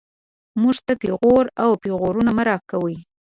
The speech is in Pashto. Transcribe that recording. موږ ته پېغور او پېغورونه مه راکوئ